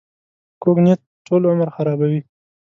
کوږ نیت ټول عمر خرابوي